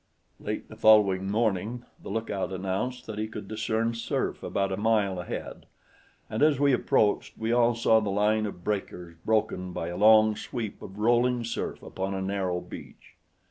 Late the following morning the lookout announced that he could discern surf about a mile ahead; and as we approached, we all saw the line of breakers broken by a long sweep of rolling surf upon a narrow beach.